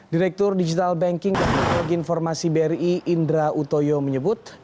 direktur digital banking teknologi informasi bri indra utoyo menyebut